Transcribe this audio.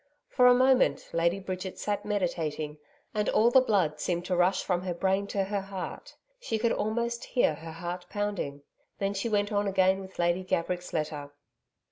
For a moment, Lady Bridget sat meditating, and all the blood seemed to rush from her brain to her heart she could almost hear her heart pounding. Then she went on again with Lady Gaverick's letter.